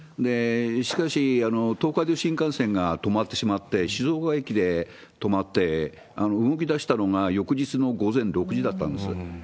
しかし、東海道新幹線が止まってしまって、静岡駅で止まって、動きだしたのが翌日の午前６時だったんです。